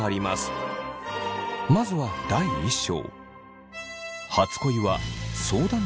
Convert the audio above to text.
まずは第１章。